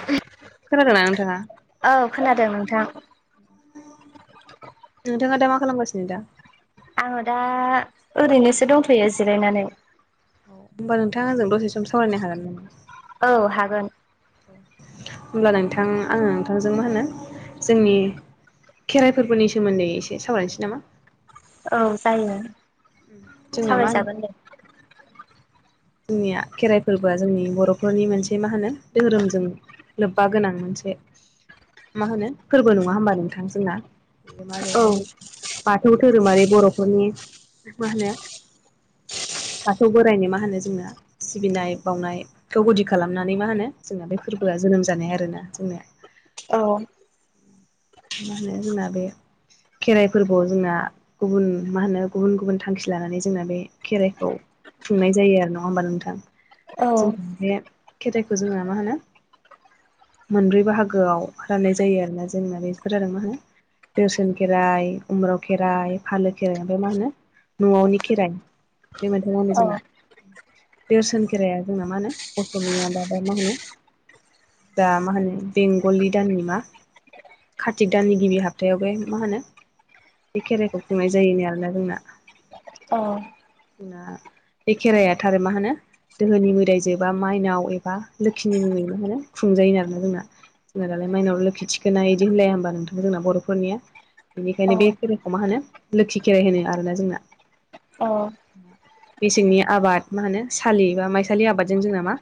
[unintelligible] खोनादोंना नोंथाङा? औ खोनादों नोंथां। नोंथाङा दा मा खालामगासिनो दा? आङो दा ओरैनोसो दंथ'यो जिरायनानै। ओमबा नोंथाङा आंजों दसे सम सावरायनो हागोन नामा? औ हागोन। औ होमब्ला नोंथां आङो नोंथांजों मा होनो जोंनि खेराइफोरबोनि सोमोन्दै एसे सावरायनोसै नामा? औ जायो जोंना मा होनो सावरायजागोन दे। जोंनिया खेराइ फोरबोआ जोंनि बर'फोरनि मोनसे मा होनो धोहोरोमजों लोब्बा गोनां मोनसे मा होनो फोरबो नङा होनबा नोंथां जों ना। बे मा औ होनो बाथौ धोरोमारि बर'फोरनि मा होनो बाथौ बोराइनि मा होनो जोंना सिबिनाय बावना‌य। खौ गुदि खालामनानै मा होनो जोंना बे फोरबोआ जोनोम जानाय आरोना जोंनिया। औ। मा होनो जोंना बे खेराइ फोरबोआव जोंना। गुबुन मा होनो गुबुन गुबुन थांखि लानानै जोंना बे खेराइखौ। खुंनाय जायो आरो नङा होमबा नोंथां? औ जों बे खेथाइखौ जोङो मा होनो मोनब्रै बाहागोआव राननाय जायो आरोना जोंना बेफोर जादों मा होनो दोसोन खेराइ उम्राव खेराइ फालो खेराइ ओमफ्राय मा होनो। न'आवनि खेराइ बे मोनथामानो औ जोंना। देरसन खेराया जोंना मा होनो अट'नियाबाबा मा होनो। दा मा होनो बेंगलि दाननि मा कार्तिक दाननि गिबि हाबथायाव बे मा होनो बे खेराइखौ खुंनाय जायोनो आरोना जोंना अ जोंना बे खेराइया थारै मा होनो दोहोनि मोदाइजो बा माइनाव एबा लोखिनि मुङैनो मोनो खुंजायो [unintelligible] जोंना जोंना दालाय माइनाव लोखि थिखोना इदि होनलाया होमबा नोंथां जोंना बर'फोरनिया औ बिनिखायनो बे खेराइखौ मा होनो लोखि खेराइ होनो आरोना जोंना औ मेसेंनि आबाद मा होनो सालि बा माइसालि आबादजों जोंना मा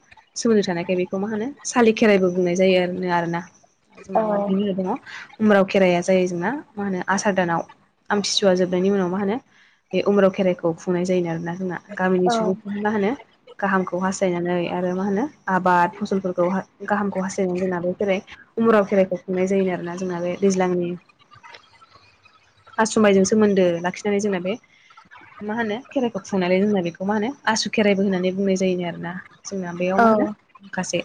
सोमोन्दो थानायखाय बेखौ मा होनो सालि खेराइबो बुंनाय जायो आरोनो आरोना आरो जोंना मार बिनिनो दङ उम्राव खेराइाया जायो जोंना मा होनो आसार दानाव आमथिसुवा जोबनायनि उनाव मा होनो बे उम्राव खेराइखौ खुंनाय जायोनो आरोना जोंना गामिनि औ सुबुंफोर मा होनो गाहामखौ हास्थायनानै आरो मा होनो आबाद फसलफोरखौ गाहामखौ हास्थायनानै जोंनाबो जेरै उमुराव खेराइखौ खुंनाय जायोनो आरोना जोंना बे दैज्लांनि आसु मायजों सोमोन्दो लाखिनानै जोंना बे मा होनो खेराइखौ खुंनायनै जोंना बेखौ मा होनो आसु खेराइबो होननानै बुंनाय जायोनो आरोना जोंना बेयाव औ मा होनो माखासे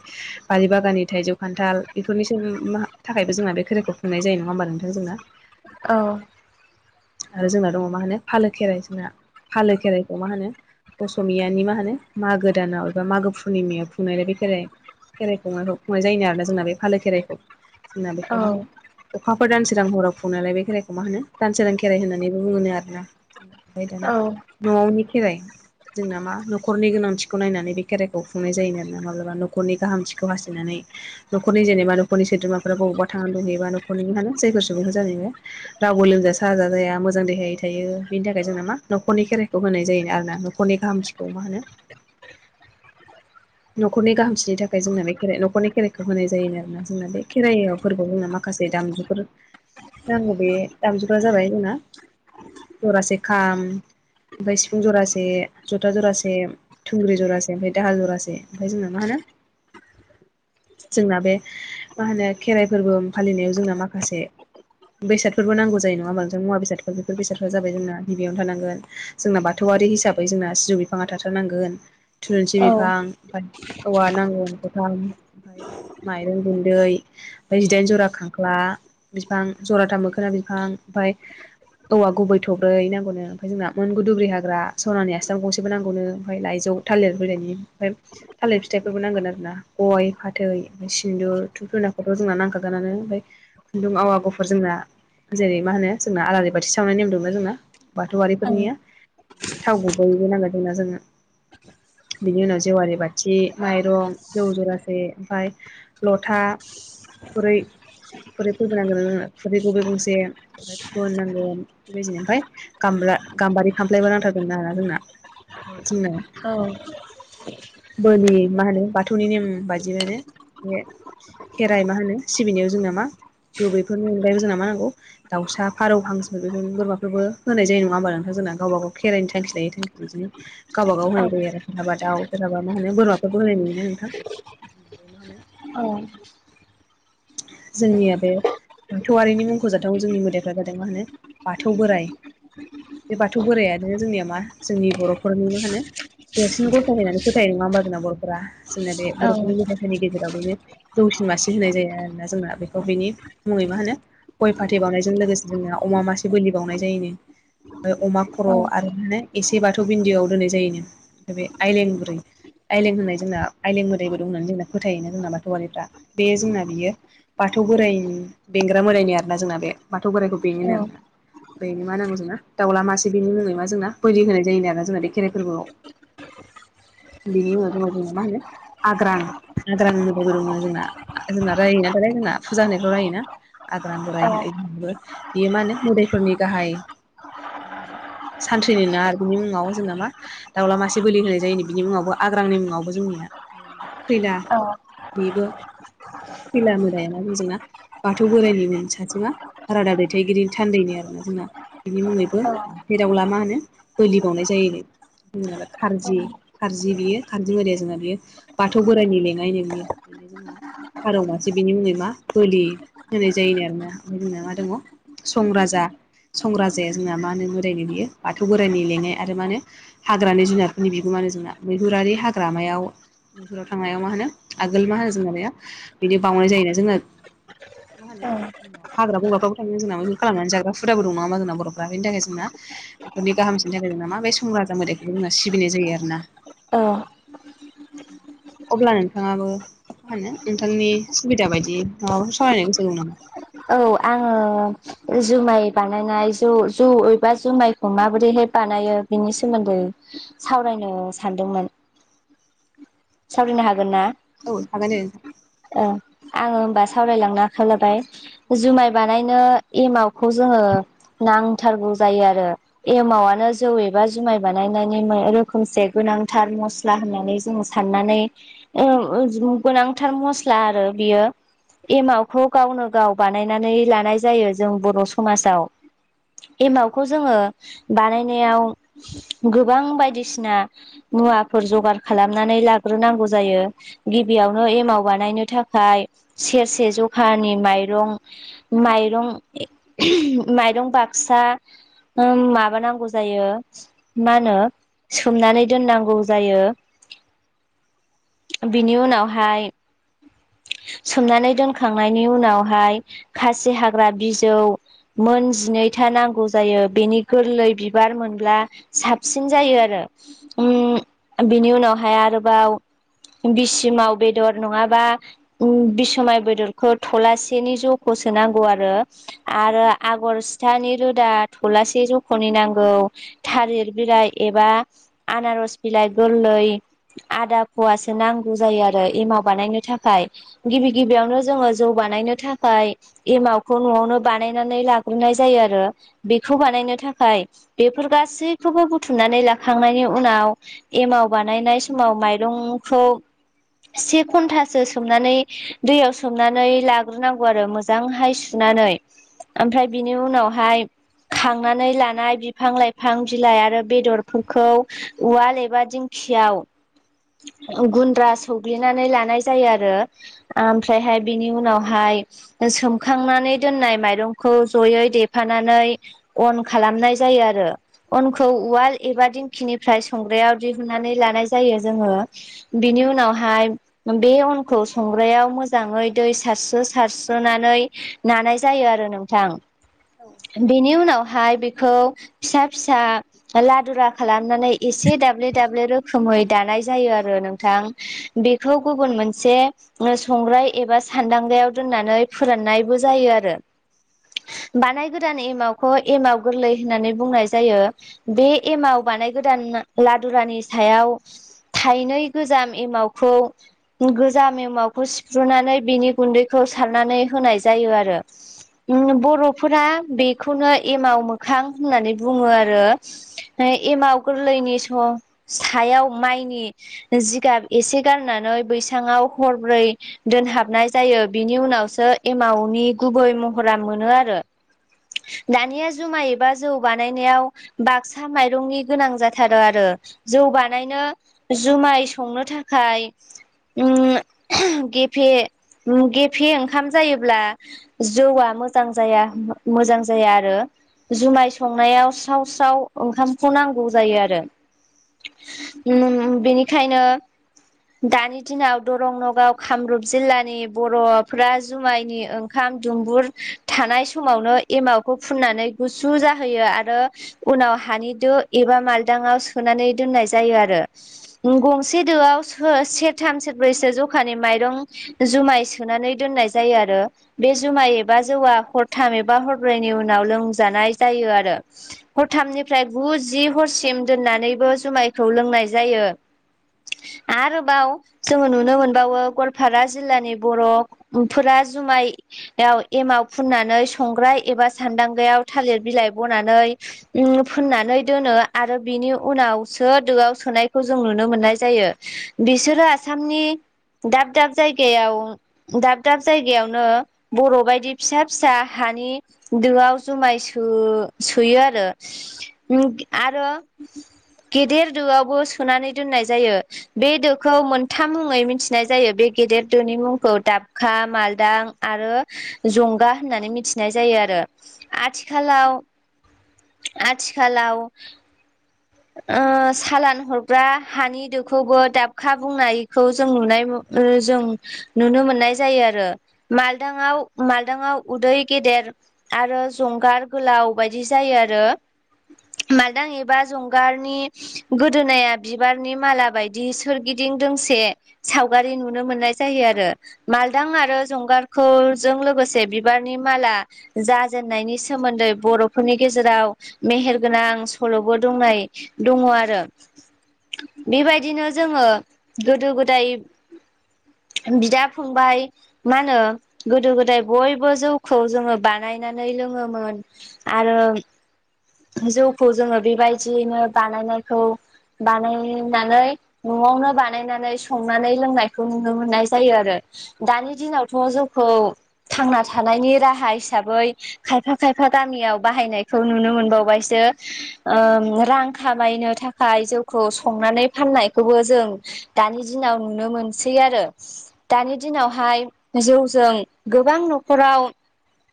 बारि बागाननि थाइजौ खान्थाल बेफोरनि [unintelligible] मा थाखायबो जोंना बे खेरायखौ खुंनाय जायो नङा होमबा नोंथां जोंना औ आरो जोंना दङ मा होनो फालो खेराइ जोंना फालो खेराइखौ मा होनो असमियानि मा होनो मागो दानाव एबा मागो पुर्निमायाव खुंनाय [unintelligible] खेराइ खेराइखौ खुंनायखौ खुंनाय जायोनो आरो जोंना बे फालो खेराइखौ जोंना औ बेखौ मा होनो औ अखाफोर दानसोरां हराव फुंलायनालाय बे खेराइखौ मा होनो दान सोरां खेराइबो होननानैबो बुङोनो आरोना [unintelligible] औ दाना न'आवनि खेराइ जोंना मा न'खरनि गोनांथिखौ नायनानै बे खेराइखौ खुंनाय जायोनो आरोना माब्लाबा न'खरनि गाहामथिखौ हास्थायनानै न'खरनि जेनेबा नखरनि सोद्रामाफोरा बबावबा थांनानै दंहैयोबा न'खरनि मा होनो जायफोर सुबुंखौ [unintelligible] रावबो लोमजा साजा जाया मोजां देहायै थायो बेनि थाखाय जोंना मा न'खरनि खेराइखौ होनाय जायो आरो ना न खनि गाहामथिखौ मा होनो न'खरनि गाहामथिनि थाखाय जोंना बे खेराइ न'खरनि खेराइखौ होनाय जायोनो आरोना जोंना बे खेराइ आव फोरबो जोङो माखासे दामजुफोर नांगौ बे दामजुफोरा जाबाय जोंना जरासे खाम ओमफाय सिफुं जरासे जथा जरासे थुंग्रि जरासे ओमफाय दाहाल जरासे ओमफाय जोंना मा होनो जोंना बे मा होनो खेराइ फोरबो फालिनायाव जोंना माखासे बेसादफोरबो नांगौ जायो नङा होमबा नोंथां मुवा बेसादफोर बेफोर बेसादफ्रा जाबाय जोंना गिबियावनो थानांगोन जोंना बाथौआरि हिसाबै जोंना सिजौ बिफाङा थाथारनांगोन थुलुन्सि बिफां ओमफाय औवा नांगौ बिफां ओमफाय माइरं दं दै ओमफाय जिदाइन जरा खांख्ला बिफां जराथा मोखोना बिफां ओमफाय औवा गुबै थब्रै नांगौनो ओमफ्राय जोंना मोनगु दुब्रि हाग्रा सनानि गंसेबो नांगौनो ओमफ्राय लाइजौ। थालिर बिलायनि थालिर फिथाइफोरबो नांगोनो गय, फाथै, ओमफ्राय सिन्दुर। छुब छुना खौथ' जोंना नांखागोआनो ओमफ्राय खुन्दुं आवा गुफुर जोंना जेरै मा होनो जोंना आलारि बाथि सावनाय नेम दंना जोंना। बाथौआरि फोरनिया थाव गुबैबो नांगौ जोंना जोंनो बिनि उनाव जेवारि बाथि, माइरं, जौ जरासे ओमफ्राय लथा खुरै खुरै फोरबोनांगोन जोंनो खुरै गुखौबो गंसे ओमफ्राय फुल नांगौ बेबायदिनो ओमफफ्राय गा गाम्बारि खामफ्लायबो नांथारगोन आरोना जोंना। ओमफ्राय जोंना बोलि मा होनो बाथौनि नेम बादिनो बे खेराइ मा होनो सिबिनायाव जोंना मा गोबैफोरनि अनगायैबो जोंना मा नांगौ दाउसा, फारौ, हांसो बेफोरबो बोरमाफोरबो होनाय जायो नङा होमबा नोंथां जों गावबा गाव खेरायनि थांखि लायै थांखि बिदिनो गावबागाव होनाय जायो आरो सोरहाबा दाउ सोरहाबा मा होनो बोरमाफोरफोरखौ होनाय नुयो नोंथां। मा होनो औ। जोंनिया बे बाथौआरिनि मुंखौजाथाव जोंनि मोदाइफ्रा जादों मा होनो बाथौ बोराइ। बे बाथौ बोरायानो जोंनिया मा जोंनि बर'फोरनि मा होनो देरसिन गसाय होनानै फोथायो नङा होमबा जोंना बर'फोरा। जोंना बे बर'फोरनि मोदायफोरनि गेजेराव बेनो जौसिन मासि होनाय जायो आरो। ना जोंना बेखौ बिनि मुङै मा होनो गय फाथै बावनायजों लोगोसे जोंनिया अमा मासे बोलि बावनाय जायोनो। ओमफाय अमा खर' आरो माने एसे बाथौ बिन्दोआव दोननाय जायोनो ओमफ्राय बे आइलेण बुरै आइलें होननाय जोंना आइलें मोदायबो दं होननानै जोंना फोथायो जोंना बाथौआरिफ्रा बे जोंना बियो बाथौ बोराइ बेंग्रा बोरायनि आरोना जोंना बे बाथौ बोराइखौ बेङो आरोना बेनो मा नांगौ जोंना दाावला मासे बिनि मुङै मा जोंना बोलि होनाय जायोना आरोना जोंना बे खेराइ फोरबोआव। बिनि उनाव जोंना मा होनो आग्रां आग्रां मोदायबो दंना जोंना जायो ना [unintelligible] जोंना फुजा होनायफोराव रायोना जोंना आग्रां बोराय बुरैफोरखौ बेयो मा होनो मोदायफोरनि गाहाय माहोनो सानथ्रिनि ना आरो बिनि मुङाव जोंना मा दाउला मासे बोलि होनाय जायोनो बिनि मुङावबो आग्रांनि मुङावबो जोंनिया खैला बेबो खैला मोदायानो जोंना बाथौ बोराइनि साथिङा रादा दैथायगिरिनि थान्दैनि आरोना जोंहा बिनि मुङैबो जेरावला मा होनो बोलि बावनाय जायोनो जेबा खारजि खारजि बियो खारजि मोदाया जोंना बियो बाथौ बोराइनि लेङाइनो बियो बेनो जोंहा फारौ सिबिनि मुङै मा बोलि होनाय जायोनो आरोना ओमफ्राय जोंना मा दङ संराजा संराजाया जोंना मा होनो मोदायनो बियो बाथौ बोराइनि लेङाय आरो मानो हाग्रानि जुनारफोरनि बिगुमानो जोंना मैहुरारि हाग्रामायाव बेफोराव थांनायाव मा होनो आगोल मा होनो जोंना बेया बिदि बावनाय जायोना जोंना मा होनो औ हाग्रा बंग्राफ्राबो थांयो जोंना मैहुर खालामनानै जाग्रा फुदाबो दं नामा जोंना बर'फ्रा बेनि थाखाय जोंना बेफोरनि गाहामसिननि थाखाय जोंना माब्रै संराजा मोदाइखौबो जोंना सिबिनाय जायो आरो ना। ओ। अब्ला नोंथाङाबो मा होनो नोंथांनि सुबिदा बायदियै माबाफोर सावरायनो गोसो दं नामा। औ आङो जुमाय बानायनाय जौ जौ एबा जुमायखौ माबोरैहाय बानायो बेनि सोमोन्दै सावरायनो सानदोंमोन सावरायनो हागोन ना? औ हागोन दे नोंथां ओ आङो होमबा सावरायलांनो आखायाव लाबाय जुमाय बानायनो एमावखौ जोङो नांथारगौ जायो आरो एमावानो जौ एबा जुमाय बानायनायनि रोखोमसे गोनांथार मस्ला होननानै जों साननानै ओम ओ गोनांथार मस्ला आरो बियो एमावखौ गावनो गाव बानायनानै लानाय जायो जों बर' समाजाव एमावखौ जोङो बानायनायाव गोबां बायदिसिना मुवाफोर जगार खालामनानै लाग्रोनांगौ जायो गिबियावनो एमाव बानायनो थाखाय सेरसे जखानि माइरं माइरं उम माइरं बाक्सा ओम माबानांगौ जायो मा होनो सोमनानै दोननांगौ जायो बिनि उनावहाय सोमनानै दोनखांनायनि उनावहाय खासि हाग्रा बिजौ मोन जिनैथा नांगौ जायो बेनि गोरलै बिबार मोनब्ला साबसिन जायो आरो ओम बेनि उनावहाय आरोबाव बिसिमाव बेदर नङाबा ओम बिसुमाय बेदरखौ थुलासेनि ज'खौ सोनांगौ आरो आरो आगर सिथानि रोदा थलासे जख'नि नांगौ थालिर बिलाइ एबा आनारस बिलाइ गोरलै आदा फवासो नांगौ जायो आरो एमाव बानायनो थाखाय गिबि गिबियावनो जोङो जौ बानायनो थाखाय एमावखौ न'आवनो बानायनानै लाग्रोनाय जायो आरो बेखौ बानायनो थाखाय बेफोर गासैखौबो बुथुमनानै लाखांनायनि उनाव एमाव बानायनाय समाव माइरंखौ से धन्टासो सोमनानै दैयाव सोमनानै लाग्रोनांगौ आरो मोजांहाय सुनानै आमफ्राय बिनि उनावहाय खांनानै लानाय बिफां लाइफां बिलाइ आरो बेदरफोरखौ उवाल एबा दिं खियाव गुन्द्रा सौग्लिनानै लानाय जायो आरो आमफ्रायहाय बिनि उनावहाय सोमखांनानै दोन्नाय माइरंखौ जयै देफानानै अन खालामनाय जायो आरो अनखौ उवाल एबा दिंखिनिफ्राय संग्रायाव दिहुननानै लानाय जायो जोङो बिनि उनावहाय बे अनखौ संग्रायाव मोजाङै दै सारस्रो सारस्रोनानै नानाय जायो आरो नोंथां बेनि उनावहाय बेखौ फिसा फिसा लादुरा खालामनानै एसे दाब्ले दाब्ले रो रोखोमै दानाय जायो आरो नोंथां बेखौ गुबुन मोनसे संग्राय एबा सान्दांग्रायाव दोननानै फोराननायबो जायो आरो बानाय गोदान एमावखौ एमाव गोरलै होननानै बुंनाय जायो बे एमाव बानाय गोदान लादुरानि सायाव थाइनै गोजाम एमावखौ गोजाम एमावखौ सिफ्रुनानै बिनि गुन्दैखौ सारनानै होनाय जायो आरो। ओम बर'फोरा बेखौनो एमाव मोखां होननानै बुङो आरो। एमाव गोरलैनि स-सायाव माइनि जिगाब एसे गारनानै बैसाङाव हरब्रै दोनहाबनाय जायो, बेनि उनावसो एमावनि गुबै महरा मोनो आरो। दानिया जुमाय एबा जौ बानायनायाव बाक्सा माइरंनि गोनां जाथारो आरो। जौ बानायनो जुमाय संनो थाखाय ओम गेेफे गेफे ओंखाम जायोब्ला जौआ मोजां जाया मोजां जाया आरो। जुमाय संनायाव स्राव स्राव ओंखामखौ नांगौ जायो आरो। ओम बेनिखायनो दानि दिनाव दरं नगाव कामरुप जिल्लानि बर'फ्रा जुमायनि ओं खाम दुंबुर थानाय समावनो एमावखौ फुननानै गुसु जाहोयो आरो उनाव हानि दो एबा मालदांआव सोनानै दोननाय जायो आरो। गंसे दोआव सो सेरथाम सेरब्रैसो जखानि माइरं जुमाय सोनानै दोननाय जायो आरो। बे जुमाय एबा जौआ हरथाम एबा हरब्रैनि उनाव लोंजानाय जायो आरो। हरथामनिफ्राय गु जि हरसिम दोननानैबो जुमायखौ लोंनाय जायो। आरोबाव जोङो नुनो मोनबावो गवालफारा जिल्लानि बर' फोरा जुमाय आव एमाव फुननानै संग्राय एबा सान्दांगायाव थालिर बिलाइ ब'नानै ओम फुननानै दोनो आरो बेनि उनाव सो दोआव सोनायखौ जों नुनो मोननाय जायो। बिसोरो आसामनि दाब दाब जायगायाव दाब दाब जायगायावनो बर' बायदि फिसा फिसा हानि दोआव जुमाय सो सोयो आरो, आरो गेदेर दोआवबो सोनानै दोननाय जायो। बे दोखौ मोनथाम मुङै मिथिनाय जायो बे गेदेर दोनि मुंखौ दाबखा, मालदां आरो जंगा होननानै मिथिनाय जायो आरो। आथिखालाव आथिखालाव ओ सालान हरग्रा हानि दोखौबो दाबखा बुंनायखौ जों नुनाय ओ जों नुनो मोननाय जायो आरो, मालदाङाव मालदाङाव उदै गेदेर आरो जंगार गोलाव बायदि जायो आरो मालदां एबा जं गारनि गोदोनाया बिबारनि माला बायदि सोरगिदिं दोंसे सावगारि नुनो मोननाय जायो आरो। मालदां आरो जंगारखौजों लोगोसे बिबारनि माला जाजेननायनि सोमोन्दै बर'फोरनि गेजेराव मेहेरगोनां सल'बो दंनाय दङ आरो। बेबायदिनो जोङो गोदो गोदाय बिदा फंबाय मा होनो गोदो गोदाय बयबो जौखौ जोङो बानायनानै लोङोमोन आरो जौखौ जोङो बेबायदियैनो बानायनायखौ बानायनानै न'आवनो बानायनानै संनानै लोंनायखौ नुनो मोननाय जायो आरो। दानि दिनावथ' जोंखौ थांना थानायनि राहा हिसाबै खायफा खायफा गामियाव बाहायनायखौ नुनो मोनबावबायसो ओ रां खामायनो थाखाय जौखौ संनानै फाननायखौबो जों दानि दिनाव नुनो मोनसै आरो। दानि दिनावहाय जौजों गोबां न'खराव